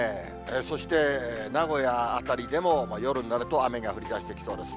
そして、名古屋あたりでも夜になると雨が降りだしてきそうです。